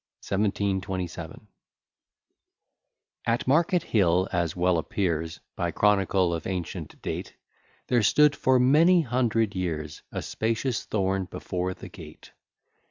1727 At Market Hill, as well appears By chronicle of ancient date, There stood for many hundred years A spacious thorn before the gate.